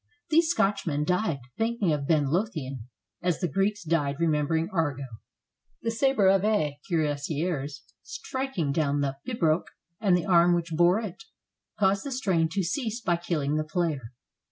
These Scotchmen died thinking of Ben Lothian, as the Greeks died remembering Argo. The saber of a cuiras 373 FRANCE sier, striking down the pibroch and the arm which bore it, caused the strain to cease by killing the player.